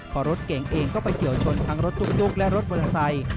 พอรถเก่งเองก็ไปเฉียวชนทั้งรถตุ๊กและรถมอเตอร์ไซค์